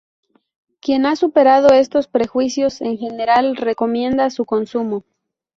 Quien ha superado estos prejuicios, en general recomienda su consumo.